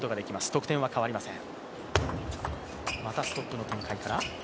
得点は変わりません。